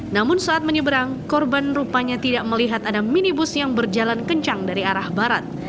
namun saat menyeberang korban rupanya tidak melihat ada minibus yang berjalan kencang dari arah barat